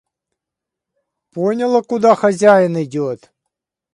Поняла, куда хозяин идет!